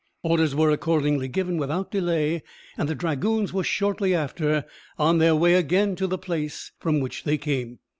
Orders were accordingly given without delay, and the dragoons were shortly after on their way again to the place from which they came.